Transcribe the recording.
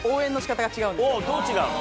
どう違うの？